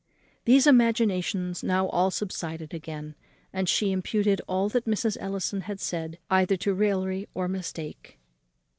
These imaginations now all subsided again; and she imputed all that Mrs. Ellison had said either to raillery or mistake.